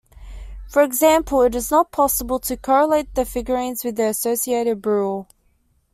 For example, it is not possible to correlate the figurines with their associated burial.